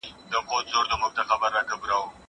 دا امادګي له هغه ګټور دی؟!